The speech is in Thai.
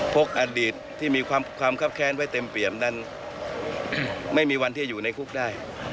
อดีตที่มีความคับแค้นไว้เต็มเปี่ยมนั้นไม่มีวันที่จะอยู่ในคุกได้